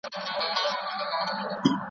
تباهي به يې ليكلې په قسمت وي .